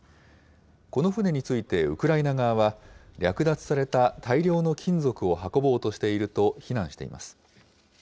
この船について、ウクライナ側は、略奪された大量の金属を運ぼうとしていると、非難しています。